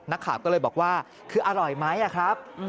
นักข่าวก็เลยบอกว่าคืออร่อยไหมครับ